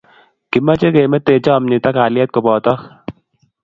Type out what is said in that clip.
Kimeche komito chomiet ak kalyet kubotok